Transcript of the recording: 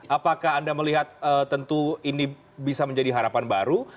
apakah anda melihat tentu ini bisa menjadi harapan baru